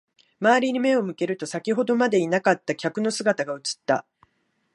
周りに目を向けると、先ほどまでいなかった客の姿が映った。